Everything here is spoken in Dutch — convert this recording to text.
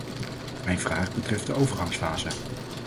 Mijn vraag betreft de overgangsfase.